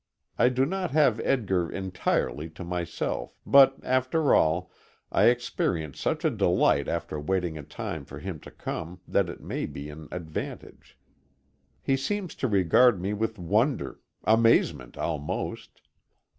I do not have Edgar entirely to myself, but after all, I experience such a delight after waiting a time for him to come, that it may be an advantage. He seems to regard me with wonder, amazement almost.